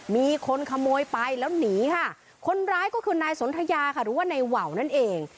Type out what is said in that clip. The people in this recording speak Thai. มีคนขโมยไปแล้วหนีค่ะคนร้ายก็คือนายสนทยาค่ะหรือว่านายว่าวนั่นเอง